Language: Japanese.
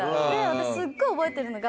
私すっごい覚えてるのが。